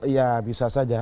ya bisa saja